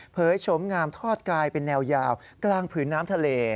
โฉมงามทอดกายเป็นแนวยาวกลางผืนน้ำทะเล